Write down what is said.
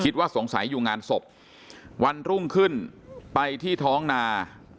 คิดว่าสงสัยอยู่งานศพวันรุ่งขึ้นไปที่ท้องนา